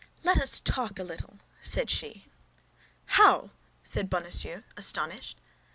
"Let us talk a little," said she. "How!" said Bonacieux, astonished.